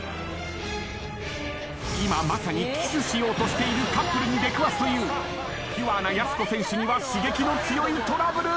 今まさにキスしようとしているカップルに出くわすというピュアなやす子選手には刺激の強いトラブル。